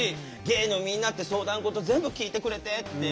ゲイのみんなって相談事全部聞いてくれてって。